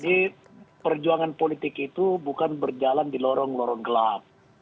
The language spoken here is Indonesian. jadi perjuangan politik itu bukan berjalan di lorong lorong gelap